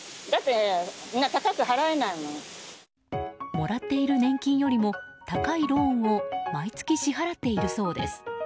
もらっている年金よりも高いローンを毎月支払っているそうです。